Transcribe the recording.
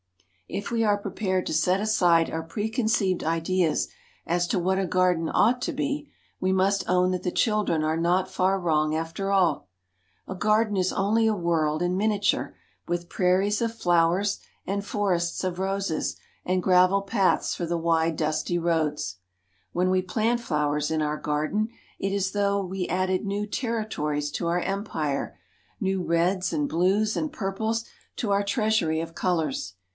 If we are prepared to set aside our pre conceived ideas as to what a garden ought to be, we must own that the children are not far wrong after all. A garden is only a world in miniature, with prairies of flowers and forests of roses and gravel paths for the wide, dusty roads. When we plant flowers in our garden it is as though we added new territories to our empire, new reds and blues and purples to our treasury of colours.